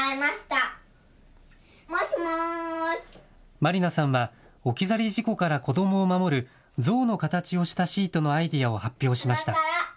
まりなさんは置き去り事故から子どもを守る、象の形をしたシートのアイデアを発表しました。